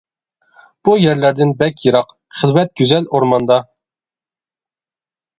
بۇ يەرلەردىن بەك يىراق، خىلۋەت گۈزەل ئورماندا.